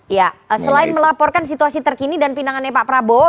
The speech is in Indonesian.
ya selain melaporkan situasi terkini dan pinangannya pak prabowo